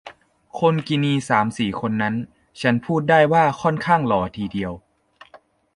คนกินีสามสี่คนนั้น ฉันพูดได้ว่าค่อนข้างหล่อทีเดียว